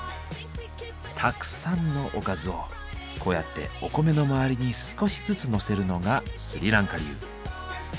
たくさんのおかずをこうやってお米の周りに少しずつのせるのがスリランカ流。